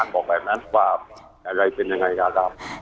บอกแบบนั้นว่าอะไรเป็นยังไงดารา